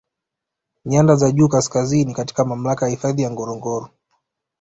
Nyanda za juu Kaskazini katika mamlaka ya hifadhi ya Ngorongoro